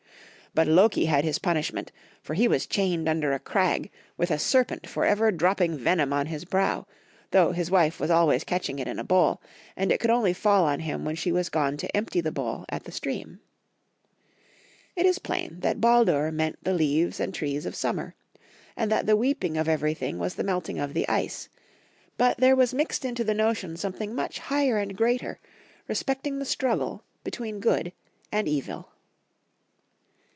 But Loki had his pmiishment, for he was chained under a crag with a serpent for ever droppmg venom on his brow, though liis wife was always catching it in a bowl, and it could only fall on him when she was gone to empty the bowl at the stream. It is plam that Baldur meant the leaves and trees of summer, and that the weeping of everj'thing was the meltmg of the ice ; but there was mixed into the notion something much higher and greater re* specting the struggle between good and evil.